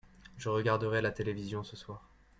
je regarderai la télévision ce soir.